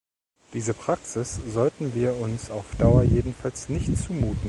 Diese Praxis sollten wir uns auf Dauer jedenfalls nicht zumuten.